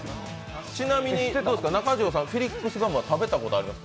ちなみに中条さん、フィリックスガムは食べたことあります？